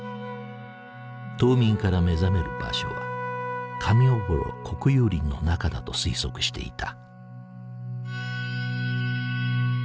冬眠から目覚める場所は上尾幌国有林の中だと推測していた。